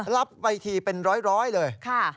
รับไปทีเป็นร้อยเลย